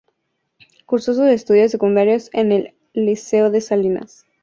Cursó sus estudios secundarios en el Liceo de Salinas.